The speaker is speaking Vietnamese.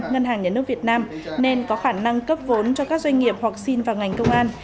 ngân hàng nhà nước việt nam nên có khả năng cấp vốn cho các doanh nghiệp hoặc xin vào ngành công an